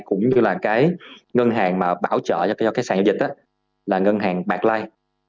cũng như là cái ngân hàng mà bảo trợ cho cái sàn giao dịch là ngân hàng bạc line